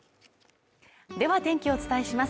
では天気をお伝えします